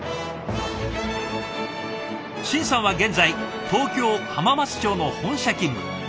眞さんは現在東京・浜松町の本社勤務。